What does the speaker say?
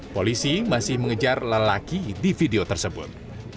polisi masih mengejar lelaki di video tersebut